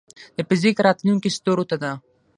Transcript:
د فزیک راتلونکې ستورو ته ده.